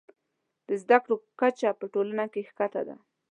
د زده کړو کچه په ټولنه کې ښکته ده.